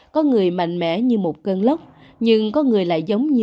có người mạnh mẽ như một cơn lốc nhưng có người lại giống như cơn gió nhỏ